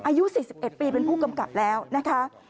อายุ๔๑ปีเป็นผู้กำกับแล้วนะคะ